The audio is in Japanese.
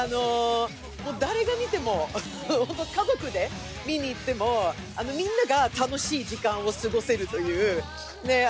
誰が見ても、家族で見に行っても、みんなが楽しい時間が過ごせるという。